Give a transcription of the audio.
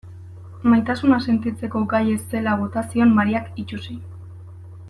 Maitasuna sentitzeko gai ez zela bota zion Mariak itsusi.